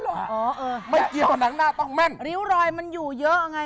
อ๋อเหรอไม่เกี่ยวหนังหน้าต้องแม่นทั้งนั้นต้องแม่นริ้วรอยมันอยู่เยอะอ่ะไง